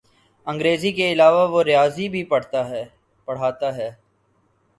انگریزی کے علاوہ وہ ریاضی بھی پڑھاتا ہے۔